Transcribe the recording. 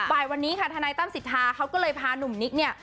บ่ายวันนี้ค่ะทนายตั้มสิทธาเขาก็เลยพาหนุ่มนิกเนี่ย